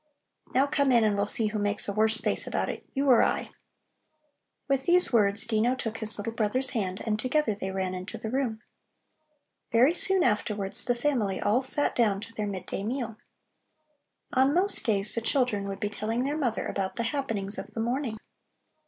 "Now come in and we'll see who makes a worse face about it, you or I!" With these words Dino took his little brother's hand, and together they ran into the room. Very soon afterwards, the family all sat down to their mid day meal. On most days the children would be telling their mother about the happenings of the morning.